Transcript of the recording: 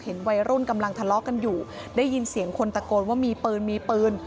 วัยรุ่นกำลังทะเลาะกันอยู่ได้ยินเสียงคนตะโกนว่ามีปืนมีปืน